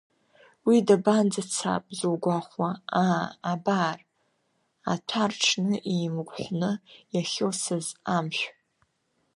Уи дабанӡацап зугәахәуаз, аа, абар, аҭәа рҽны еимгәҳәаны иахьылсыз амшә.